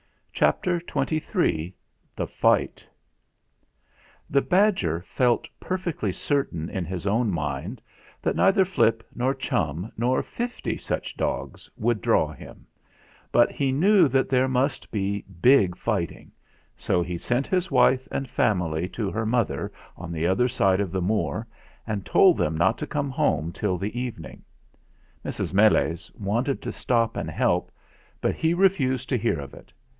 CHAPTER XXIII THE FIGHT The badger felt perfectly certain in his own mind that neither Flip, nor Chum, nor fifty such dogs would draw him; but he knew that there must be big fighting, so he sent his wife and family to her mother on the other side of the Moor, and told them not to come home till the evening. Mrs. Meles wanted to stop and help; but he refused to hear of it.